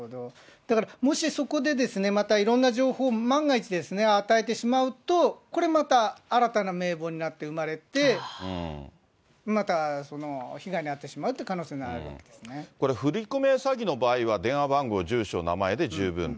だから、もしそこでですね、またいろんな情報を万が一与えてしまうと、これまた、新たな名簿になって生まれて、また被害に遭ってしまうという可能これ、振り込め詐欺の場合は、電話番号、住所、名前で十分と。